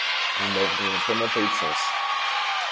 Nous n’avons vraiment pas eu de chance.